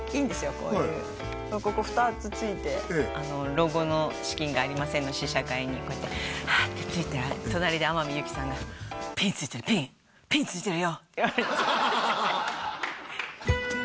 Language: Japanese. こういうここ２つついてあの「老後の資金がありません！」の試写会にこうやってああって着いたら隣で天海祐希さんが「ピンついてるピンピンついてるよ」